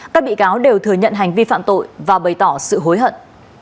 các bị cáo đều thừa nhận hành vi phạm tội và bày tỏ sự hối hận